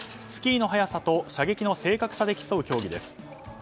スキーの速さと射撃の正確さで競う競技です。